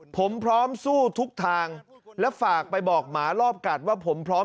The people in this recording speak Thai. ผมพร้อมสู้ทุกทางและฝากไปบอกหมารอบกัดว่าผมพร้อม